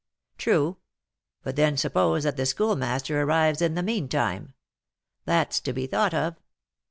True; but then suppose that the Schoolmaster arrives in the meantime, that's to be thought of.